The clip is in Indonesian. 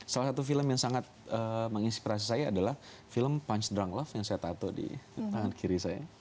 salah satu film yang sangat menginspirasi saya adalah film punch drunk love yang saya tato di tangan kiri saya